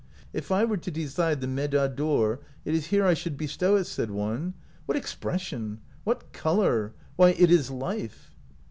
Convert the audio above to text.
"If I were to decide the medaille d'or, it is here I should bestow it," said one. "What expression! What color! W r hy, it is life!"